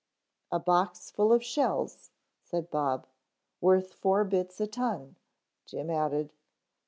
"A box full of shells " said Bob. "Worth four bits a ton," Jim added.